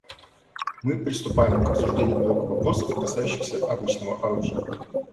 Мы приступаем к обсуждению блока вопросов, касающихся обычного оружия.